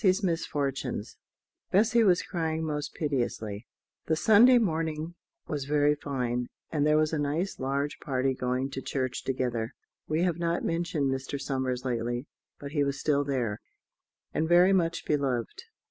Bessy's Misfortunes [Illustration: Bessy was crying most piteously] The Sunday morning was very fine, and there was a nice large party going to church together. We have not mentioned Mr. Somers lately, but he was still there, and very much beloved.